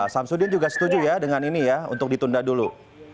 samsudin juga setuju ya dengan ini ya untuk ditunda dulu